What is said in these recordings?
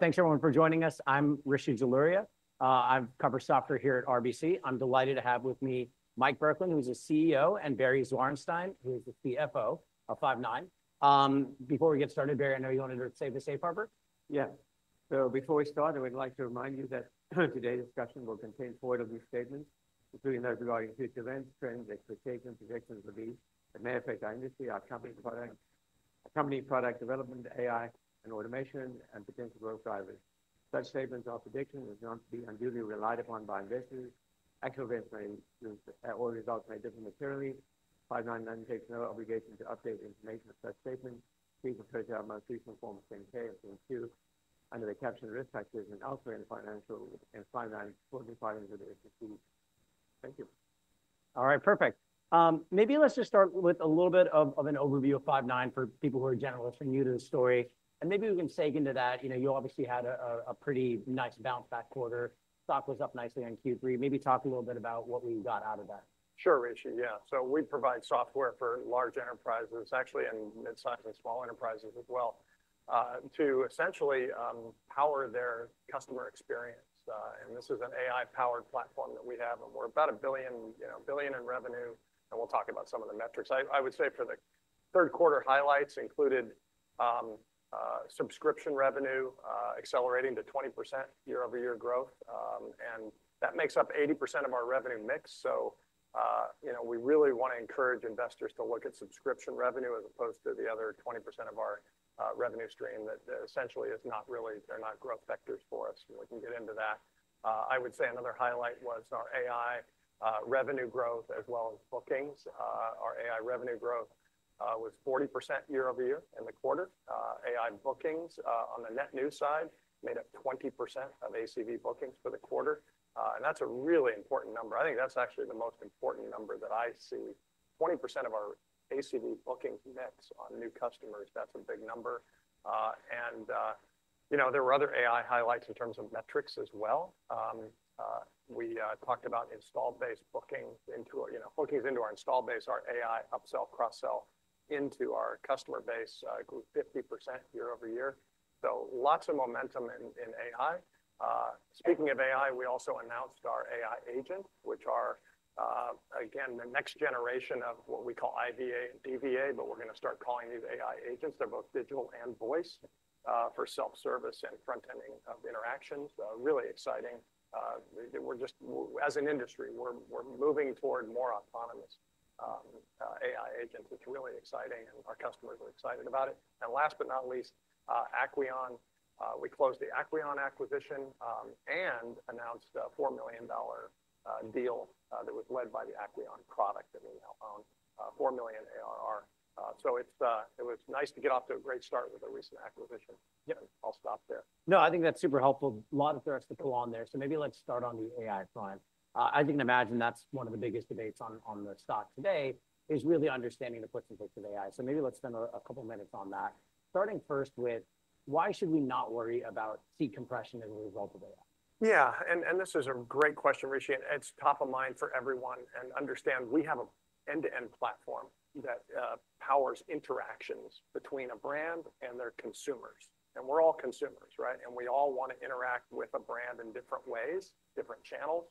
Thanks, everyone, for joining us. I'm Rishi Jaluria. I cover software here at RBC. I'm delighted to have with me Mike Burkland, who's the CEO, and Barry Zwarenstein, who is the CFO of Five9. Before we get started, Barry, I know you wanted to say the Safe Harbor? Yes. Before we start, I would like to remind you that today's discussion will contain forward-looking statements, including those regarding future events, trends, expectations, projections, and beliefs. As a matter of fact, our industry, our company product, our company product development, AI and automation, and potential growth drivers. Such statements are predictions and are not to be unduly relied upon by investors. Actual events or results may differ materially. Five9 takes no obligation to update information of such statements. Please refer to our most recent Form 10-K under the captioned risk factors and elsewhere in the financial and Five9's filings with the SEC. Thank you. All right, perfect. Maybe let's just start with a little bit of an overview of Five9 for people who are generalists and new to the story. And maybe we can sink into that. You know, you obviously had a pretty nice bounce back quarter. Stock was up nicely on Q3. Maybe talk a little bit about what we got out of that. Sure, Rishi. Yeah. So we provide software for large enterprises, actually, and mid-size and small enterprises as well, to essentially power their customer experience. And this is an AI-powered platform that we have. And we're about $1 billion in revenue. And we'll talk about some of the metrics. I would say for the third quarter highlights included subscription revenue accelerating to 20% year-over-year growth. And that makes up 80% of our revenue mix. So we really want to encourage investors to look at subscription revenue as opposed to the other 20% of our revenue stream that essentially is not really they're not growth factors for us. We can get into that. I would say another highlight was our AI revenue growth as well as bookings. Our AI revenue growth was 40% year-over-year in the quarter. AI bookings on the net new side made up 20% of ACV bookings for the quarter, and that's a really important number. I think that's actually the most important number that I see. 20% of our ACV bookings went to new customers. That's a big number, and there were other AI highlights in terms of metrics as well. We talked about installed base bookings into our installed base, our AI upsell, cross-sell into our customer base grew 50% year-over-year, so lots of momentum in AI. Speaking of AI, we also announced our AI agent, which are, again, the next generation of what we call IVA and DVA, but we're going to start calling these AI agents. They're both digital and voice for self-service and front-ending of interactions. Really exciting. As an industry, we're moving toward more autonomous AI agents. It's really exciting. Our customers are excited about it. Last but not least, Acqueon. We closed the Acqueon acquisition and announced a $4 million deal that was led by the Acqueon product that we now own, $4 million ARR. It was nice to get off to a great start with a recent acquisition. Yeah, I'll stop there. No, I think that's super helpful. A lot of threads to pull on there. So maybe let's start on the AI front. I can imagine that's one of the biggest debates on the stock today is really understanding the footprint of AI. So maybe let's spend a couple of minutes on that. Starting first with, why should we not worry about seat compression as a result of AI? Yeah. And this is a great question, Rishi. It's top of mind for everyone. And understand we have an end-to-end platform that powers interactions between a brand and their consumers. And we're all consumers, right? And we all want to interact with a brand in different ways, different channels,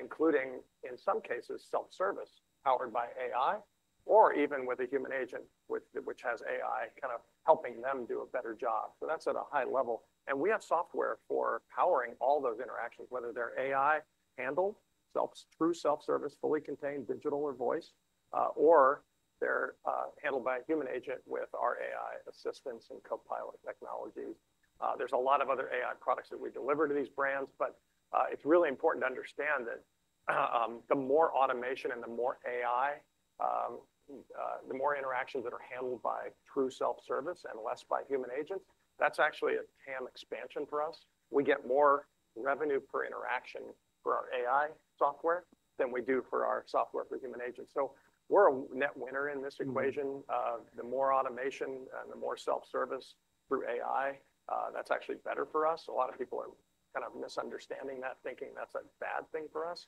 including, in some cases, self-service powered by AI or even with a human agent, which has AI kind of helping them do a better job. So that's at a high level. And we have software for powering all those interactions, whether they're AI-handled, true self-service, fully contained, digital or voice, or they're handled by a human agent with our AI assistance and copilot technologies. There's a lot of other AI products that we deliver to these brands. But it's really important to understand that the more automation and the more AI, the more interactions that are handled by true self-service and less by human agents, that's actually a TAM expansion for us. We get more revenue per interaction for our AI software than we do for our software for human agents. So we're a net winner in this equation. The more automation and the more self-service through AI, that's actually better for us. A lot of people are kind of misunderstanding that, thinking that's a bad thing for us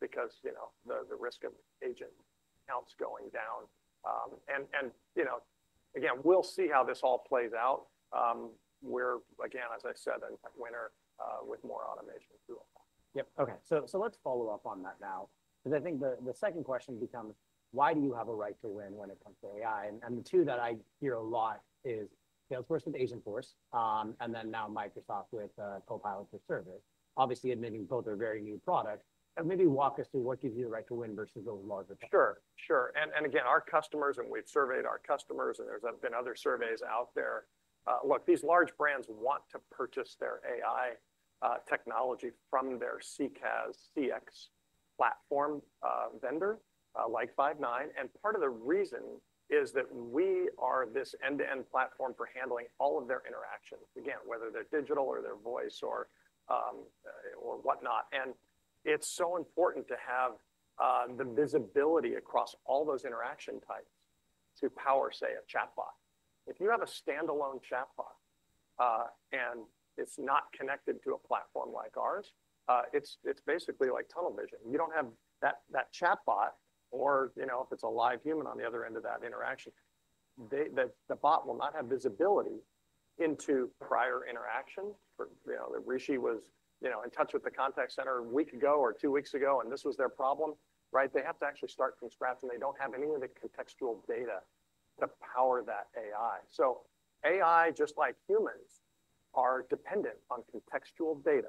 because the risk of agent counts going down. And again, we'll see how this all plays out. We're, again, as I said, a net winner with more automation through it. Yep. Okay. So let's follow up on that now. Because I think the second question becomes, why do you have a right to win when it comes to AI? The two that I hear a lot are Salesforce with Agentforce and then now Microsoft with Copilot for Service, obviously admitting both are very new products. Maybe walk us through what gives you the right to win versus those larger companies. Sure. Sure. And again, our customers, and we've surveyed our customers, and there's been other surveys out there. Look, these large brands want to purchase their AI technology from their CCaaS, CX platform vendor like Five9. And part of the reason is that we are this end-to-end platform for handling all of their interactions, again, whether they're digital or they're voice or whatnot. And it's so important to have the visibility across all those interaction types to power, say, a chatbot. If you have a standalone chatbot and it's not connected to a platform like ours, it's basically like tunnel vision. You don't have that chatbot, or if it's a live human on the other end of that interaction, the bot will not have visibility into prior interactions. Rishi was in touch with the contact center a week ago or two weeks ago, and this was their problem, right? They have to actually start from scratch, and they don't have any of the contextual data to power that AI. So AI, just like humans, are dependent on contextual data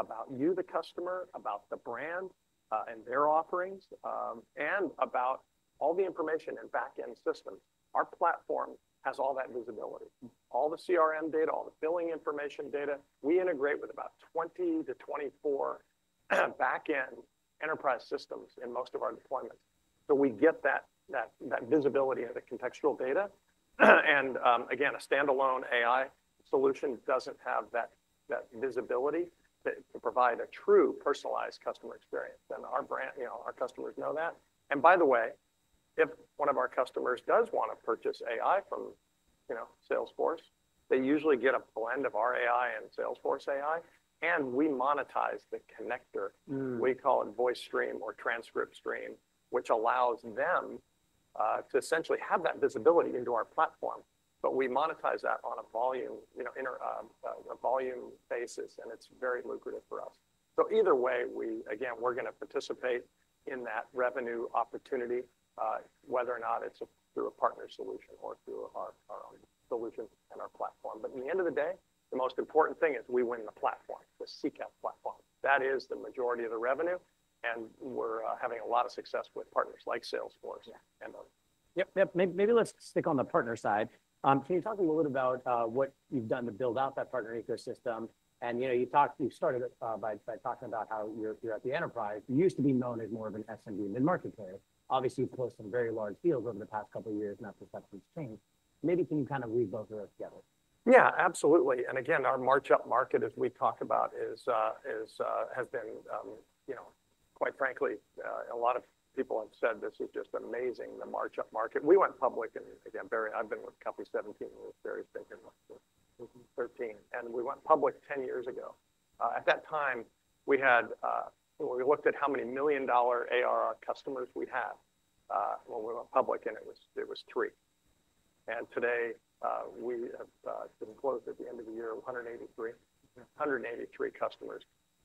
about you, the customer, about the brand and their offerings, and about all the information and back-end systems. Our platform has all that visibility, all the CRM data, all the billing information data. We integrate with about 20 to 24 back-end enterprise systems in most of our deployments. So we get that visibility of the contextual data. And again, a standalone AI solution doesn't have that visibility to provide a true personalized customer experience. And our customers know that. And by the way, if one of our customers does want to purchase AI from Salesforce, they usually get a blend of our AI and Salesforce AI. And we monetize the connector. We call it VoiceStream or TranscriptStream, which allows them to essentially have that visibility into our platform. But we monetize that on a volume basis. And it's very lucrative for us. So either way, again, we're going to participate in that revenue opportunity, whether or not it's through a partner solution or through our own solution and our platform. But at the end of the day, the most important thing is we win the platform, the CCaaS platform. That is the majority of the revenue. And we're having a lot of success with partners like Salesforce and others. Yep. Yep. Maybe let's stick on the partner side. Can you talk a little bit about what you've done to build out that partner ecosystem? And you started by talking about how you're at the enterprise. You used to be known as more of an SMB mid-market player. Obviously, you've closed some very large deals over the past couple of years, and that perception has changed. Maybe can you kind of weave both of those together? Yeah, absolutely. And again, our mid-market, as we talk about, has been, quite frankly, a lot of people have said this is just amazing, the mid-market. We went public, and again, Barry, I've been with Five9 17 years. Barry's been here 13. And we went public 10 years ago. At that time, we looked at how many million-dollar ARR customers we had when we went public, and it was three. And today, we have been closed at the end of the year with 183 customers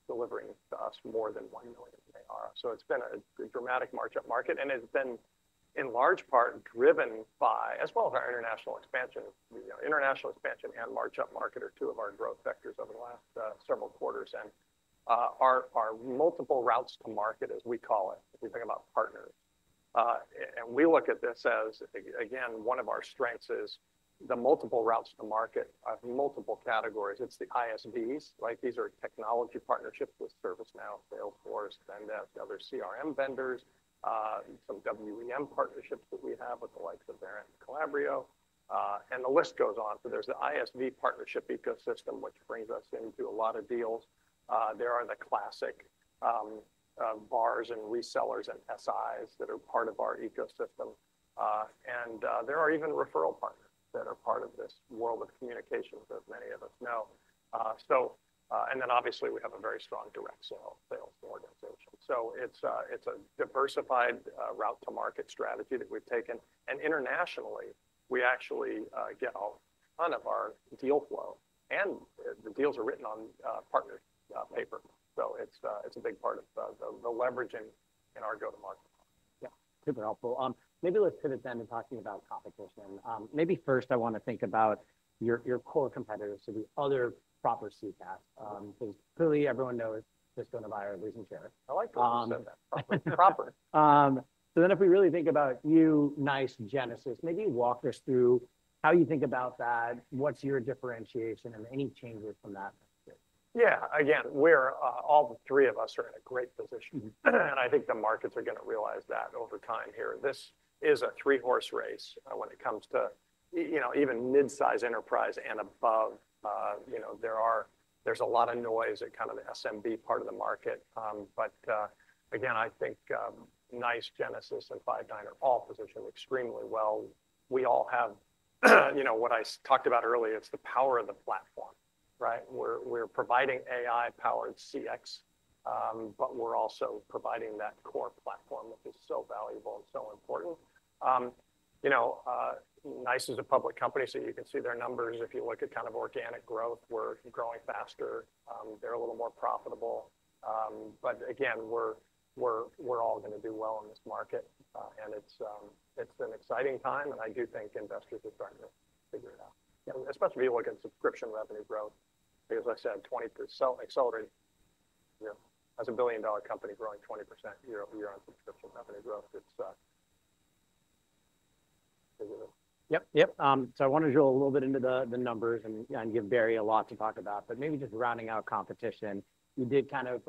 delivering to us more than $1 million in ARR. So it's been a dramatic mid-market. And it's been, in large part, driven by, as well as our international expansion. International expansion and mid-market are two of our growth factors over the last several quarters. Our multiple routes to market, as we call it, if we think about partners. We look at this as, again, one of our strengths is the multiple routes to market of multiple categories. It's the ISVs, right? These are technology partnerships with ServiceNow, Salesforce, Zendesk, other CRM vendors, some WEM partnerships that we have with the likes of Verint and Calabrio. And the list goes on. So there's the ISV partnership ecosystem, which brings us into a lot of deals. There are the classic VARs and resellers and SIs that are part of our ecosystem. And there are even referral partners that are part of this world of communications, as many of us know. And then, obviously, we have a very strong direct sales organization. So it's a diversified route to market strategy that we've taken. And internationally, we actually get a ton of our deal flow. The deals are written on partner paper. It's a big part of the leveraging in our go-to-market. Yeah. Super helpful. Maybe let's pivot then to talking about competition. Maybe first, I want to think about your core competitors to the other proper CCaaS. Because clearly, everyone knows just going to buy our losing share. I like the way you said that. Proper. So then if we really think about you, NICE, Genesys, maybe walk us through how you think about that, what's your differentiation, and any changes from that? Yeah. Again, all the three of us are in a great position, and I think the markets are going to realize that over time here. This is a three-horse race when it comes to even mid-size enterprise and above. There's a lot of noise at kind of the SMB part of the market, but again, I think NICE, Genesys, and Five9 are all positioned extremely well. We all have what I talked about earlier. It's the power of the platform, right? We're providing AI-powered CX, but we're also providing that core platform, which is so valuable and so important. NICE is a public company, so you can see their numbers. If you look at kind of organic growth, we're growing faster. They're a little more profitable, but again, we're all going to do well in this market, and it's an exciting time. I do think investors are starting to figure it out, especially if you look at subscription revenue growth. As I said, accelerated. As a billion-dollar company growing 20% year-on subscription revenue growth. Yep. Yep. So I want to drill a little bit into the numbers and give Barry a lot to talk about. But maybe just rounding out competition, you did kind of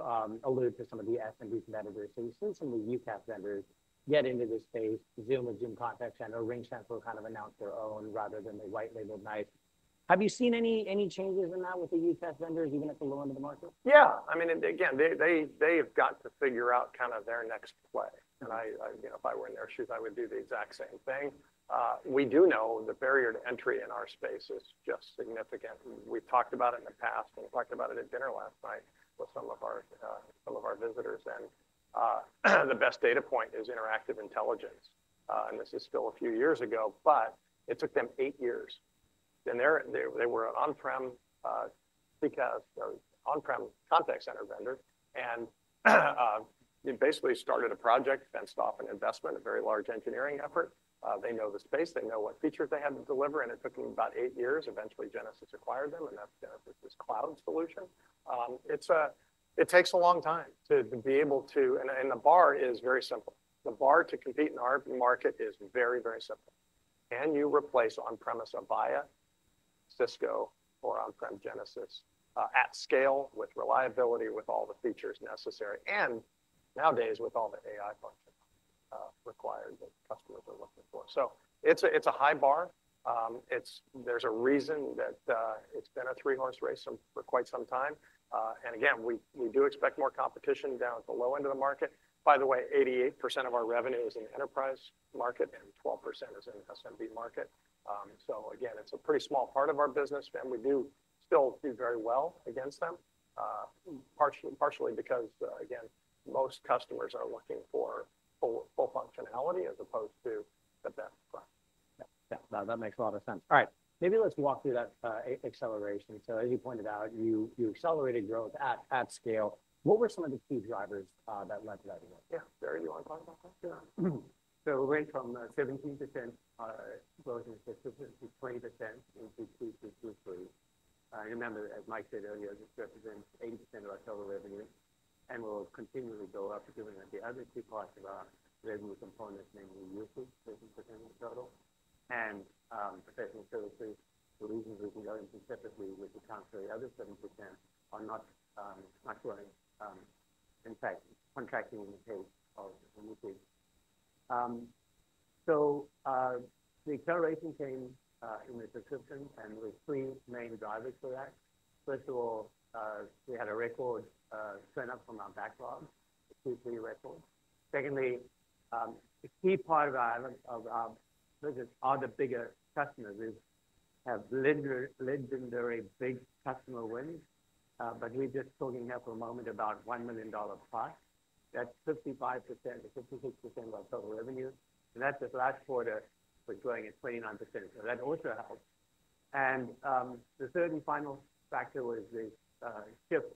allude to some of the SMB competitors. So you've seen some of the UCaaS vendors get into this space, Zoom with Zoom Contact Center. RingCentral kind of announced their own rather than the white-labeled NICE. Have you seen any changes in that with the UCaaS vendors, even at the low end of the market? Yeah. I mean, again, they have got to figure out kind of their next play. And if I were in their shoes, I would do the exact same thing. We do know the barrier to entry in our space is just significant. We've talked about it in the past and talked about it at dinner last night with some of our visitors. And the best data point is Interactive Intelligence. And this is still a few years ago, but it took them eight years. And they were an on-prem CCaaS, on-prem contact center vendor. And they basically started a project, fenced off an investment, a very large engineering effort. They know the space. They know what features they have to deliver. And it took them about eight years. Eventually, Genesys acquired them. And that's Genesys's cloud solution. It takes a long time to be able to, and the bar is very simple. The bar to compete in our market is very, very simple. Can you replace on-premise Avaya, Cisco, or on-prem Genesys at scale with reliability, with all the features necessary, and nowadays with all the AI functions required that customers are looking for? So it's a high bar. There's a reason that it's been a three-horse race for quite some time. And again, we do expect more competition down at the low end of the market. By the way, 88% of our revenue is in the enterprise market, and 12% is in the SMB market. So again, it's a pretty small part of our business. And we do still do very well against them, partially because, again, most customers are looking for full functionality as opposed to the best price. Yeah. That makes a lot of sense. All right. Maybe let's walk through that acceleration. So as you pointed out, you accelerated growth at scale. What were some of the key drivers that led to that growth? Yeah. Barry, do you want to talk about that? Yeah, so we went from 17% growth in subscription to 20% in Q2 to Q3. Remember, as Mike said earlier, this represents 80% of our total revenue. We'll continually go up, given that the other two parts of our revenue component, namely usage, 13% in total, and professional services, representing the remaining 7%, are not growing. In fact, contracting, unlike usage. So the acceleration came in the subscription, and there were three main drivers for that. First of all, we had a record intake from our backlog. Q3 record. Secondly, a key part of our business, our bigger customers landed big customer wins. But we're just talking now for a moment about $1 million plus. That's 55% or 56% of our total revenue, and that this last quarter was growing at 29%. That also helped. The third and final factor was this shift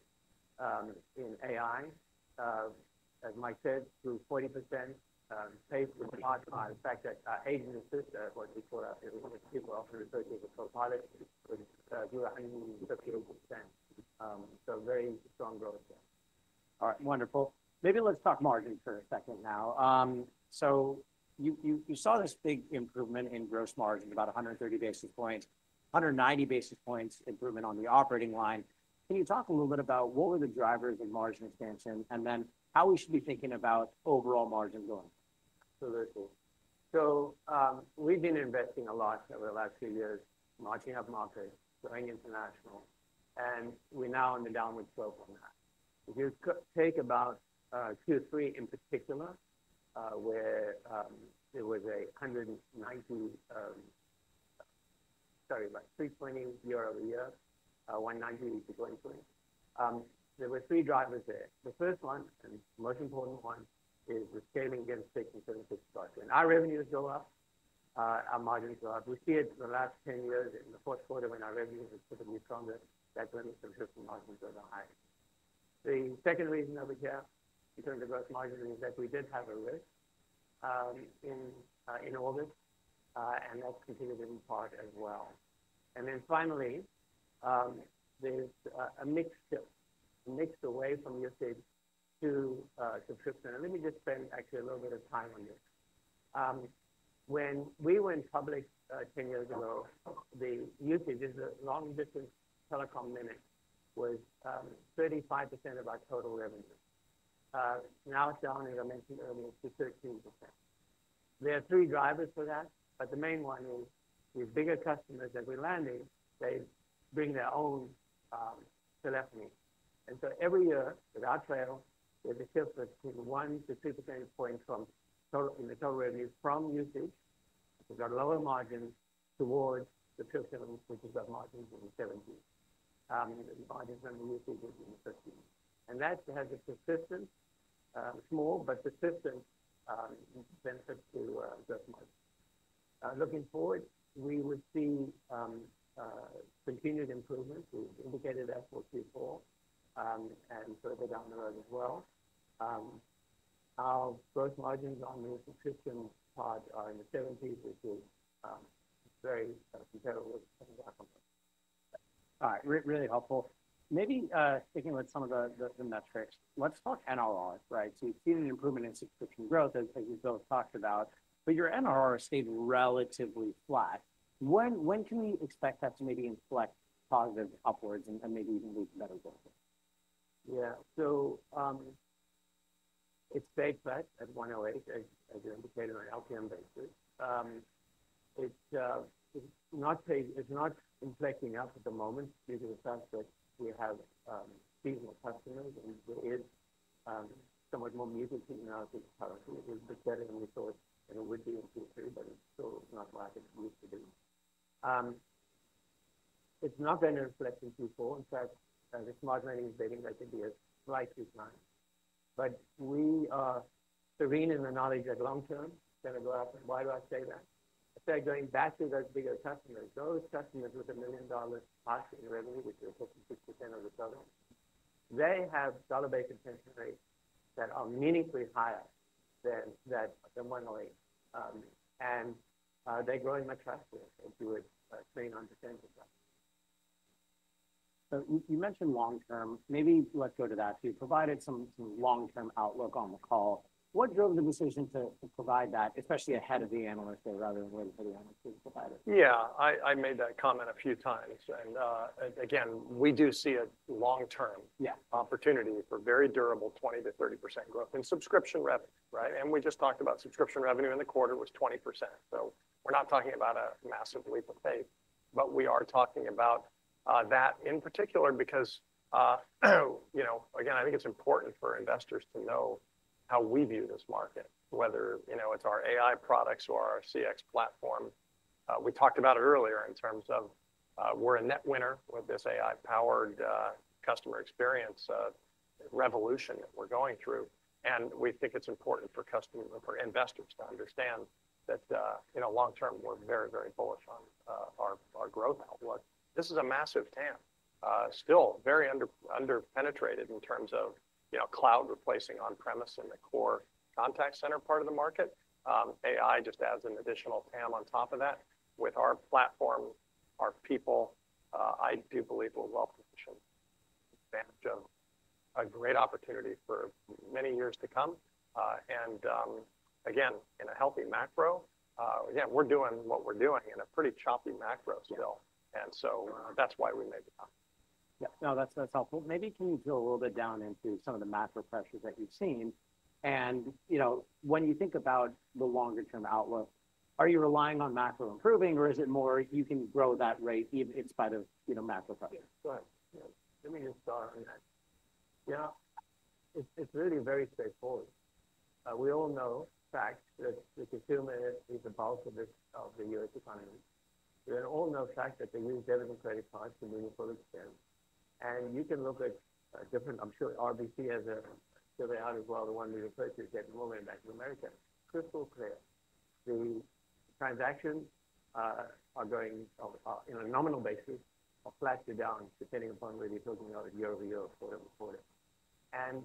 in AI, as Mike said, grew at a 40% pace with the fact that Agent Assist, what we call it, people often refer to as a Copilot, grew 158%. Very strong growth there. All right. Wonderful. Maybe let's talk margins for a second now. So you saw this big improvement in gross margin, about 130 basis points, 190 basis points improvement on the operating line. Can you talk a little bit about what were the drivers of margin expansion and then how we should be thinking about overall margin growth? So very cool. So we've been investing a lot over the last few years, marching up market, growing international. And we're now on the downward slope on that. If you talk about Q3 in particular, where there was a 190, sorry, like 320 year-over-year, 190 to 320, there were three drivers there. The first one, and most important one, is the scaling against fixed and services structure. When our revenues go up, our margins go up. We see it for the last 10 years in the fourth quarter when our revenues are typically stronger, that's when the traditional margins are the highest. The second reason that we have returned to gross margin is that we did have a RIF in August, and that's continued in part as well. And then finally, there's a mix away from usage to subscription. Let me just spend actually a little bit of time on this. When we went public 10 years ago, the usage is a long-distance telecom minute was 35% of our total revenue. Now it's down, as I mentioned earlier, to 13%. There are three drivers for that. The main one is these bigger customers that we're landing, they bring their own telephony. So every year, without fail, there's a shift between one to two percentage points in the total revenue from usage. We've got lower margins towards subscription, which has got margins in the 70s. The margins on the usage is in the 50s. That has a persistent, small but persistent benefit to gross margin. Looking forward, we would see continued improvement. We've indicated that for Q4 and further down the road as well. Our gross margins on the subscription part are in the 70s, which is very comparable to our company. All right. Really helpful. Maybe sticking with some of the metrics, let's talk NRR, right? So we've seen an improvement in subscription growth, as we both talked about. But your NRR stayed relatively flat. When can we expect that to maybe inflect positive upwards and maybe even lead to better growth? Yeah. So it's stayed flat at 108, as you indicated on an LTM basis. It's not inflecting up at the moment due to the fact that we have seasonal customers. And there is somewhat more mix in our product. It was better than we thought, and it would be in Q3, but it's still not like it used to be. It's not been an inflection Q4. In fact, this margin is better than that to be a slight decline. But we are certain in the knowledge that long-term is going to go up. And why do I say that? I say going back to those bigger customers. Those customers with a $1 million-plus in revenue, which is 56% of the total, they have dollar-based retention rates that are meaningfully higher than 108. And they're growing much faster as you would expect on percentage-wise. You mentioned long-term. Maybe let's go to that. You provided some long-term outlook on the call. What drove the decision to provide that, especially ahead of the analysts or rather than waiting for the analysts to provide it? Yeah. I made that comment a few times. And again, we do see a long-term opportunity for very durable 20%-30% growth in subscription revenue, right? And we just talked about subscription revenue in the quarter was 20%. So we're not talking about a massive leap of faith, but we are talking about that in particular because, again, I think it's important for investors to know how we view this market, whether it's our AI products or our CX platform. We talked about it earlier in terms of we're a net winner with this AI-powered customer experience revolution that we're going through. And we think it's important for investors to understand that long-term, we're very, very bullish on our growth outlook. This is a massive TAM. Still very underpenetrated in terms of cloud replacing on-premise and the core contact center part of the market. AI just adds an additional TAM on top of that. With our platform, our people, I do believe we're well positioned. A great opportunity for many years to come and again, in a healthy macro, again, we're doing what we're doing in a pretty choppy macro still, and so that's why we made the comment. Yeah. No, that's helpful. Maybe can you drill a little bit down into some of the macro pressures that you've seen? And when you think about the longer-term outlook, are you relying on macro improving, or is it more you can grow that rate in spite of macro pressure? Yeah. Go ahead. Let me just start on that. Yeah. It's really very straightforward. We all know the fact that the consumer is the bulk of the U.S. economy. We all know the fact that they use debit and credit cards to move forward. And you can look at different. I'm sure RBC has a survey out as well, the ones we refer to as the Deloitte and McKinsey from Bank of America. Crystal clear. The transactions are going on a nominal basis or flat to down, depending upon where you're talking about year-over-year or quarter over quarter. And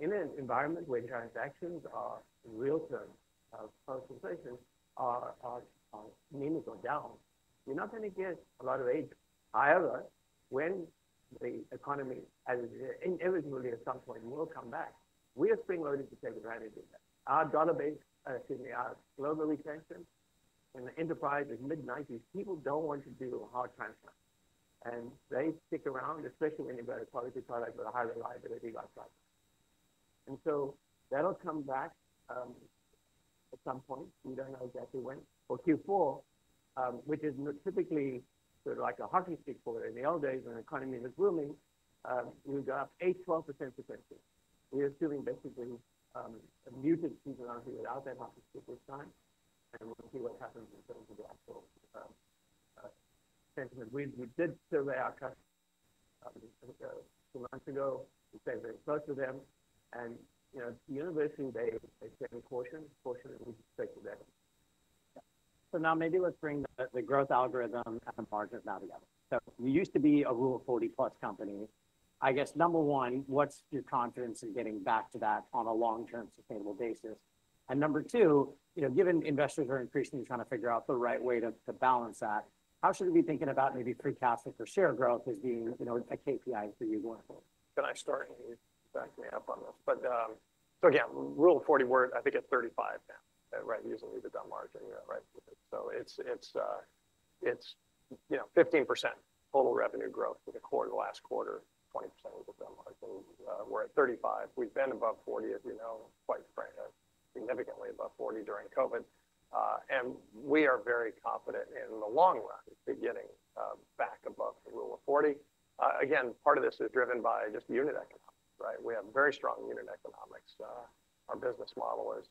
in an environment where transactions are real terms, post-inflation, are meaningfully down, you're not going to get a lot of growth. However, when the economy, as inevitably at some point, will come back, we are spring-loaded to take advantage of that. Our dollar-based, excuse me, our global retention in the enterprise is mid-90s. People don't want to do hard transfers. And they stick around, especially when you've got a quality product with a high reliability like that. And so that'll come back at some point. We don't know exactly when. For Q4, which is typically sort of like a hockey stick for in the old days when the economy was booming, we would go up 8-12 percentage points. We're assuming basically a muted seasonality without that hockey stick this time. And we'll see what happens in terms of the actual sentiment. We did survey our customers a few months ago. We stayed very close to them. And universally, they stay in caution. Fortunately, we stick with that. So now maybe let's bring the growth algorithm and margins now together. So we used to be a rule of 40-plus companies. I guess, number one, what's your confidence in getting back to that on a long-term sustainable basis? And number two, given investors are increasingly trying to figure out the right way to balance that, how should we be thinking about maybe free cash or per share growth as being a KPI for you going forward? Can I start and you back me up on this? But so again, rule of 40, we're I think at 35 now, right? Using the EBITDA margin, right? So it's 15% total revenue growth in the quarter, the last quarter, 20% EBITDA margin. We're at 35. We've been above 40, as we know, quite significantly above 40 during COVID, and we are very confident in the long run to getting back above the rule of 40. Again, part of this is driven by just unit economics, right? We have very strong unit economics. Our business model has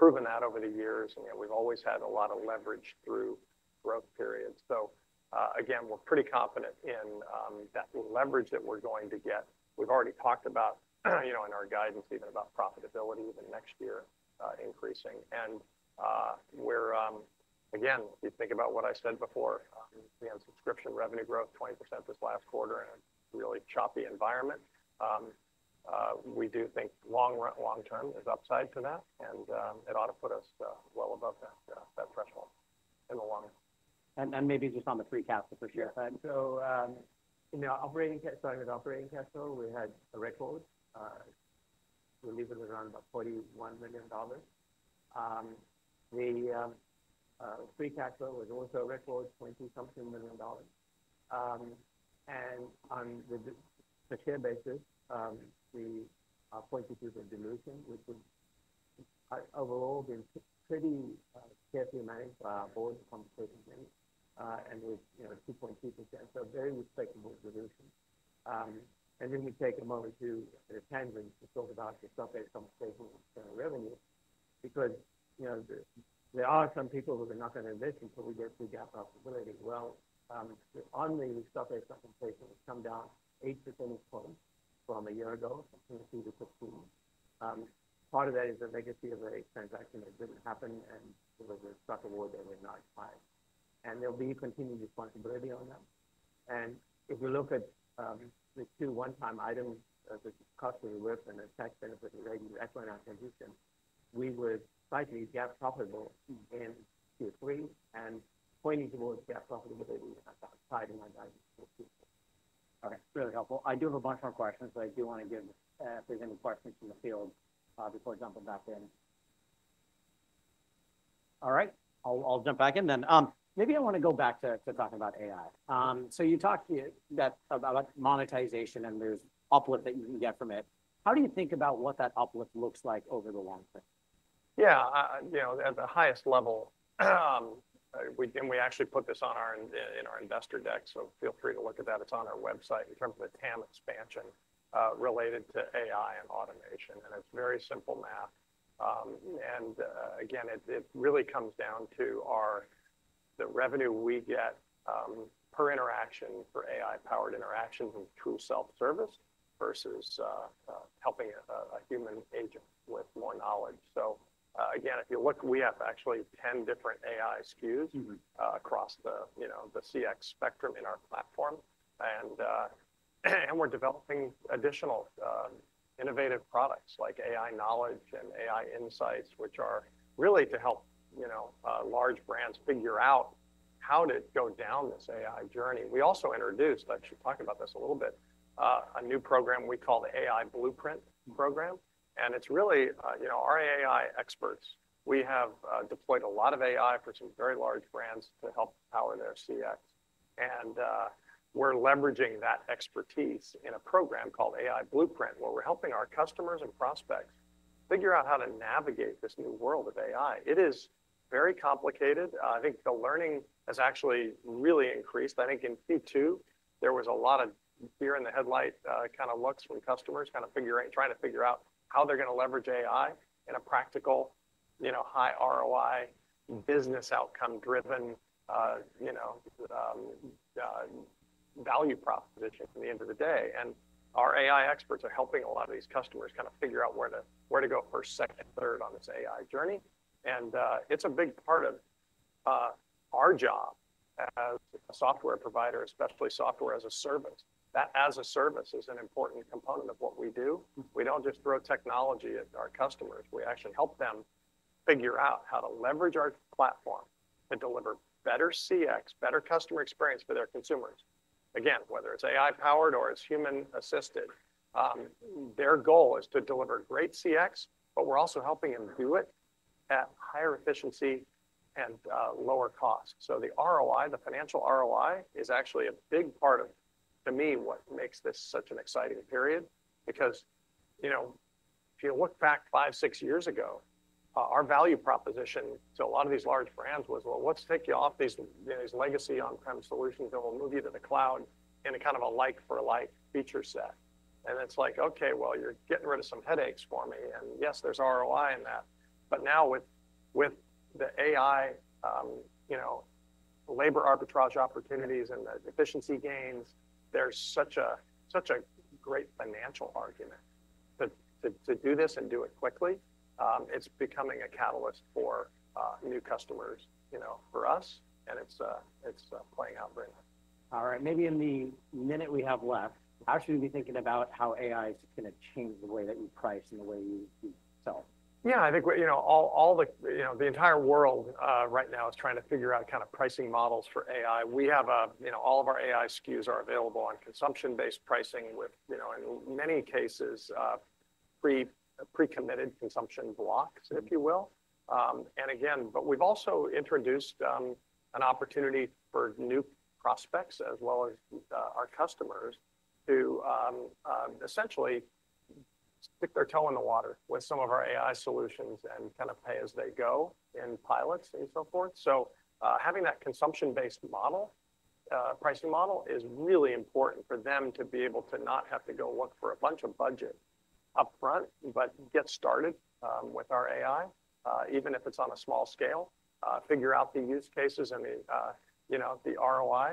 proven that over the years, and we've always had a lot of leverage through growth periods, so again, we're pretty confident in that leverage that we're going to get. We've already talked about in our guidance even about profitability even next year increasing. Again, if you think about what I said before, subscription revenue growth, 20% this last quarter in a really choppy environment. We do think long-term is upside to that. It ought to put us well above that threshold in the long. Maybe just on the free cash for sure. So, operating cash flow, we had a record. We're leaving around about $41 million. The free cash flow was also a record, $20-something million. And on the per-share basis, we are pointing to the dilution, which was overall been pretty carefully managed by our board compensation team. And we're 2.2%. So very respectable dilution. And then we take a moment to kindly talk about the stock-based compensation revenue because there are some people who are not going to invest until we get to GAAP profitability. Well, on the stock-based compensation, we've come down 8 percentage points from a year ago, from 2015. Part of that is the legacy of a transaction that didn't happen, and there was a stock award that went not high. And there'll be continued responsibility on that. If we look at the two one-time items, the cost of revenue and the tax benefit related to Acqueon acquisition, we were slightly GAAP profitable in Q3 and pointing towards GAAP profitability in our guidance for Q4. All right. Really helpful. I do have a bunch more questions, but I do want to give if there's any questions from the field before jumping back in. All right. I'll jump back in then. Maybe I want to go back to talking about AI. So you talked about monetization, and there's uplift that you can get from it. How do you think about what that uplift looks like over the long term? Yeah. At the highest level, we actually put this on our investor deck, so feel free to look at that. It's on our website in terms of the TAM expansion related to AI and automation. And it's very simple math. And again, it really comes down to the revenue we get per interaction for AI-powered interactions and true self-service versus helping a human agent with more knowledge. So again, if you look, we have actually 10 different AI SKUs across the CX spectrum in our platform. And we're developing additional innovative products like AI Knowledge and AI Insights, which are really to help large brands figure out how to go down this AI journey. We also introduced, I should talk about this a little bit, a new program we call the AI Blueprint program. And it's really our AI experts. We have deployed a lot of AI for some very large brands to help power their CX. And we're leveraging that expertise in a program called AI Blueprint, where we're helping our customers and prospects figure out how to navigate this new world of AI. It is very complicated. I think the learning has actually really increased. I think in Q2, there was a lot of deer in the headlight kind of looks from customers, kind of trying to figure out how they're going to leverage AI in a practical, high ROI, business outcome-driven value proposition at the end of the day. And our AI experts are helping a lot of these customers kind of figure out where to go first, second, third on this AI journey. And it's a big part of our job as a software provider, especially software as a service. CCaaS is an important component of what we do. We don't just throw technology at our customers. We actually help them figure out how to leverage our platform to deliver better CX, better customer experience for their consumers. Again, whether it's AI-powered or it's human-assisted, their goal is to deliver great CX, but we're also helping them do it at higher efficiency and lower cost. So the ROI, the financial ROI, is actually a big part of, to me, what makes this such an exciting period. Because if you look back five, six years ago, our value proposition to a lot of these large brands was, well, let's take you off these legacy on-prem solutions, and we'll move you to the cloud in a kind of a like-for-like feature set. And it's like, okay, well, you're getting rid of some headaches for me. And yes, there's ROI in that. But now with the AI labor arbitrage opportunities and the efficiency gains, there's such a great financial argument to do this and do it quickly. It's becoming a catalyst for new customers for us, and it's playing out very nicely. All right. Maybe in the minute we have left, how should we be thinking about how AI is going to change the way that you price and the way you sell? Yeah. I think all the entire world right now is trying to figure out kind of pricing models for AI. All of our AI SKUs are available on consumption-based pricing with, in many cases, pre-committed consumption blocks, if you will. And again, but we've also introduced an opportunity for new prospects as well as our customers to essentially stick their toe in the water with some of our AI solutions and kind of pay as they go in pilots and so forth. So having that consumption-based pricing model is really important for them to be able to not have to go look for a bunch of budget upfront, but get started with our AI, even if it's on a small scale, figure out the use cases and the ROI,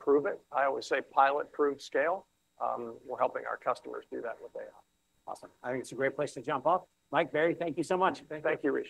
prove it. I always say pilot-proof scale. We're helping our customers do that with AI. Awesome. I think it's a great place to jump off. Mike Burkland, thank you so much. Thank you.